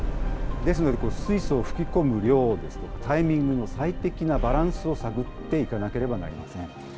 ですので、水素を吹き込む量ですとか、タイミングの最適なバランスを探っていかなければなりません。